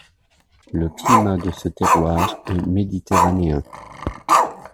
Le climat de ce terroir est méditerranéen.